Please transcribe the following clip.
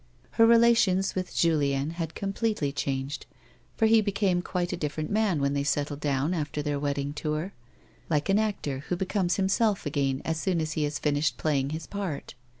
Her relations with Julien had completely changed, for he became quite a different man when they settled down after their wedding tour, like an actor who becomes himself again as soon as he has finished playing his part.